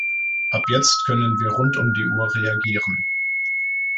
Ab jetzt können wir rund um die Uhr reagieren.